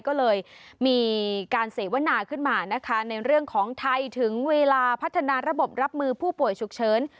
ก็เลยมีการเสวนาขึ้นมานะคะในเรื่องของไทยถึงเวลาพัฒนาระบบรับมือผู้ป่วยฉุกเฉิน